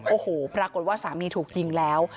โอ้โหปรากฏว่าสามีถูกยิงแล้ว